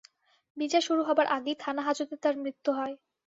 বিচার শুরু হবার আগেই থানা-হাজতে তাঁর মৃত্যু হয়।